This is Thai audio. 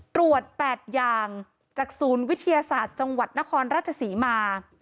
ตรวจ๘อย่างจากศูนย์วิทยาศาสตร์จังหวัดนครราชศรีมา